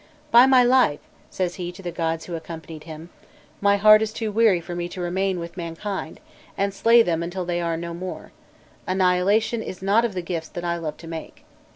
"By my life," says he to the gods who accompanied him, "my heart is too weary for me to remain with mankind, and slay them until they are no more: annihilation is not of the gifts that I love to make."